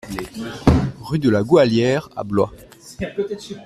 Rue de la Goualière à Blois